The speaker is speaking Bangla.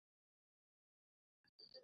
তারা আমাকে ছাড়া একাকী অনুভব করে।